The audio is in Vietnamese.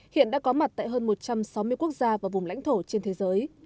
hiện đã có mặt tại hơn một trăm sáu mươi quốc gia và vùng lãnh thổ trên thế giới